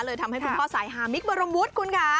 ทำให้คุณพ่อสายฮามิกบรมวุฒิคุณค่ะ